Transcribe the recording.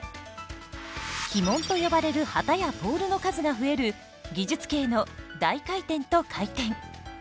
旗門と呼ばれる旗やポールの数が増える技術系の大回転と回転。